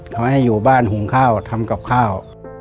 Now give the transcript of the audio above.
เขาให้อยู่บ้านหุงข้าวทำกับข้าว